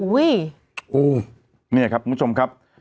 โอ้นี่ครับคุณผู้ชมครับ